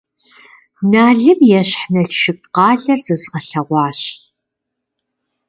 Налым ещхь Налшык къалэр зэзгъэлъэгъуащ.